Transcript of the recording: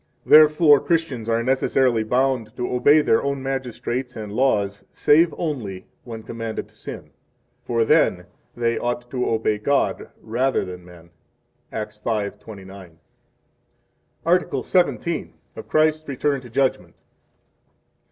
Therefore, Christians are necessarily bound to obey their own magistrates 7 and laws save only when commanded to sin; for then they ought to obey God rather than men. Acts 5:29. Article XVII. Of Christ's Return to Judgment.